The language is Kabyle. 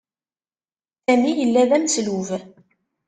Sami yella d ameslub.